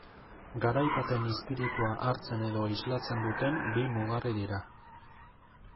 Garai baten izpiritua hartzen edo islatzen duten bi mugarri dira.